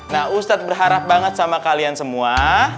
nah ustadz berharap banget sama kalian semua